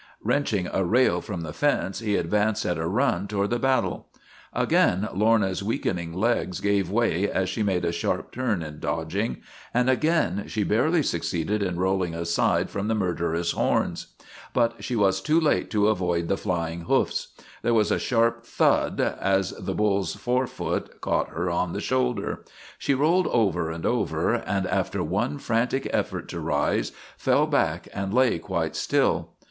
Wrenching a rail from the fence he advanced at a run toward the battle. Again Lorna's weakening legs gave way as she LORNA OF THE BLACK EYE 265 made a sharp turn in dodging, and again she barely succeeded in rolling aside from the murderous horns. But she was too late to avoid the flying hoofs. There was a sharp thud as the bull's forefoot caught her in the shoulder. She rolled over and over and, after one frantic effort to rise, fell back and lay quite still.